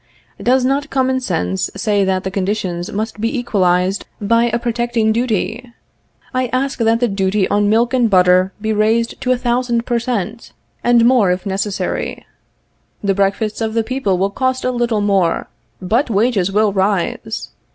Does not common sense say that the conditions must be equalized by a protecting duty? I ask that the duty on milk and butter be raised to a thousand per cent., and more, if necessary. The breakfasts of the people will cost a little more, but wages will rise!